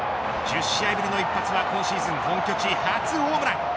１０試合ぶりの一発は今シーズン本拠地初ホームラン。